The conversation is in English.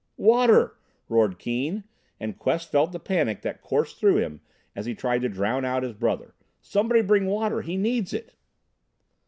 "Water!" roared Keane, and Quest felt the panic that coursed through him as he tried to drown out his brother. "Somebody bring water! He needs it!"